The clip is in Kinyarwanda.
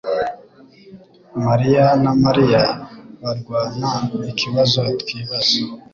mariya na Mariya barwana ikibazo twibaza